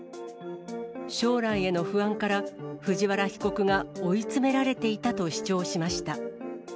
将来への不安から、藤原被告が追い詰められていたと主張しました。